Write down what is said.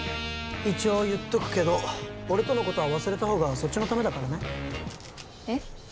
一応言っとくけど俺とのことは忘れた方がそっちのためだからねえっ？